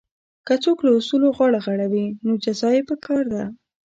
که څوک له اصولو غاړه غړوي نو جزا یې پکار ده.